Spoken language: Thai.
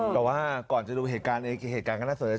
แต่ว่าก่อนจะดูเหตุการณ์อะไร